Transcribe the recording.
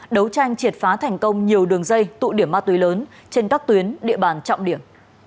đấu tranh triệt phá thành công nhiều đường dây tụ điểm ma túy lớn trên các tuyến địa bàn trọng điểm